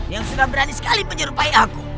yang suka berani sekali menyerupai aku